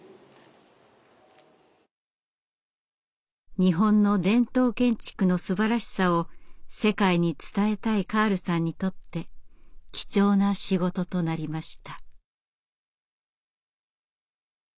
日本の伝統建築のすばらしさを世界に伝えたいカールさんにとって貴重な仕事となりました。